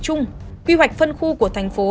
chung quy hoạch phân khu của thành phố